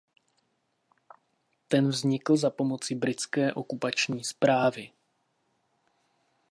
Ten vznikl za pomoci britské okupační správy.